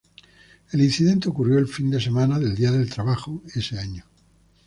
El incidente ocurrió el fin de semana del Día del Trabajo ese año.